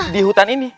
di hutan ini